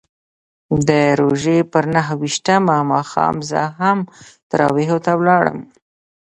د روژې پر نهه ویشتم ماښام زه هم تراویحو ته ولاړم.